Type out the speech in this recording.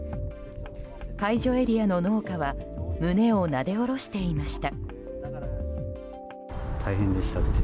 解除エリアの農家は胸をなで下ろしていました。